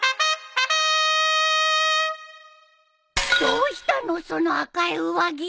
どうしたのその赤い上着！？